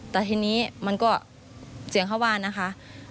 แต่ทีนี้มันก็เสียงเข้าบ้านนะคะ